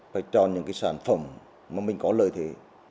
phải chọn những cái sản phẩm mà mình có lợi thế